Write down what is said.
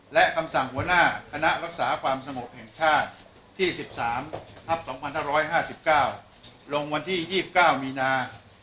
และคำสั่งหัวหน้าคณะรักษาความสงบแห่งชาติที่๑๓ทัพ๒๕๕๙ลงวันที่๒๙มีนา